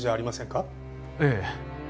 ええ。